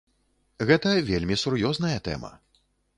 Гэта вельмі сур'ёзная тэма.